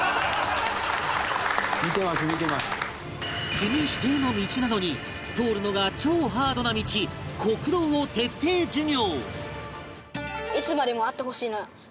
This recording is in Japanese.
国指定の道なのに通るのが超ハードな道酷道を徹底授業